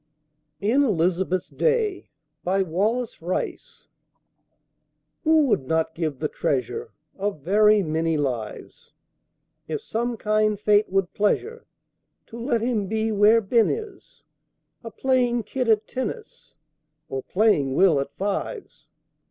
IN ELIZABETH'S DAY BY WALLACE RICE Who would not give the treasure Of very many lives If some kind fate would pleasure To let him be where Ben is A playing Kit at tennis, Or playing Will at fives?